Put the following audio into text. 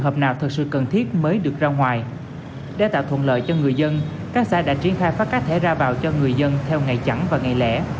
vào thuận lợi cho người dân các xã đã triển khai phát các thẻ ra vào cho người dân theo ngày chẳng và ngày lẻ